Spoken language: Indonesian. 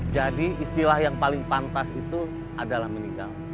jadi istilah yang paling pantas itu adalah meninggal